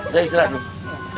saya israt dulu